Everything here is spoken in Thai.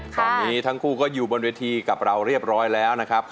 ตอนนี้ทั้งคู่ก็อยู่บนเวทีกับเราเรียบร้อยแล้วนะครับ